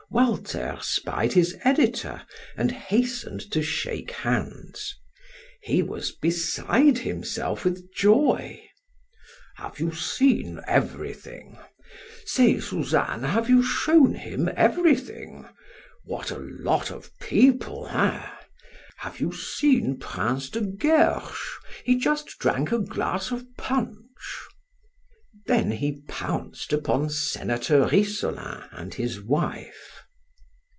Walter spied his editor, and hastened to shake hands. He was beside himself with joy. "Have you seen everything? Say, Suzanne, have you shown him everything? What a lot of people, eh? Have you seen Prince de Guerche? he just drank a glass of punch." Then he pounced upon Senator Rissolin and his wife.